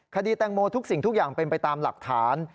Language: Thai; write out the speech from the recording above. คดีแตงโมทุกสิ่งทุกอย่างเป็นไปตามหลักฐาน